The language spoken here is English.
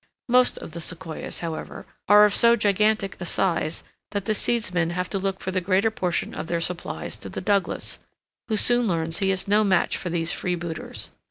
Most of the Sequoias, however, are of so gigantic a size that the seedsmen have to look for the greater portion of their supplies to the Douglas, who soon learns he is no match for these freebooters.